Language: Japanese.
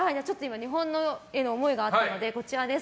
日本への思いがあったのでこちら。